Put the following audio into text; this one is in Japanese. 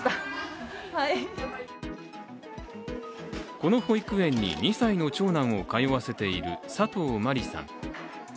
この保育園に２歳の長男を通わせている佐藤真理さん。